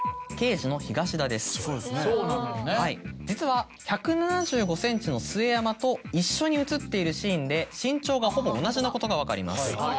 実は１７５ｃｍの末山と一緒に映っているシーンで身長がほぼ同じなことが分かります。